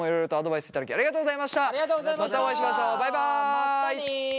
バイバイ。